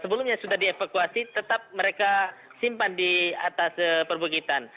sebelumnya sudah dievakuasi tetap mereka simpan di atas perbukitan